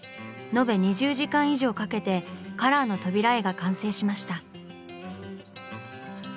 延べ２０時間以上かけてカラーの扉絵が完成しました。